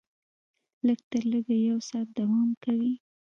لږ تر لږه یو ساعت دوام کوي.